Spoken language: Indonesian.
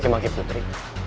kok dia maki dua putri